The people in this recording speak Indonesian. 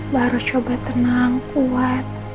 baru coba tenang kuat